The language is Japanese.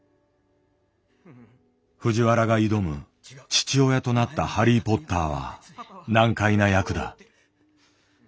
藤原が挑む父親となったハリー・ポッターは難解な役だ。